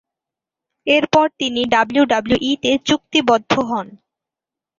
এরপর তিনি ডাব্লিউডাব্লিউই তে চুক্তিবদ্ধ হন।